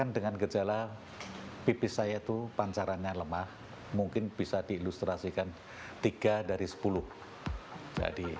dengan gejala pipis saya itu pancarannya lemah mungkin bisa diilustrasikan tiga dari sepuluh jadi